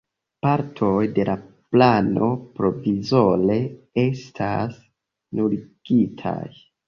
Partoj de la plano provizore estas nuligitaj.